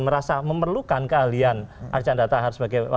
merasa memerlukan keahlian arjanda tahar